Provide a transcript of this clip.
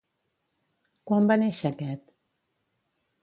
Quan va néixer aquest?